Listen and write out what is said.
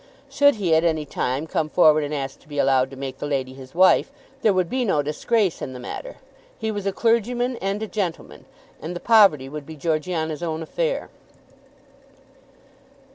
Should he at any time come forward and ask to be allowed to make the lady his wife, there would be no disgrace in the matter. He was a clergyman and a gentleman, and the poverty would be Georgiana's own affair.